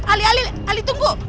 ali ali ali tunggu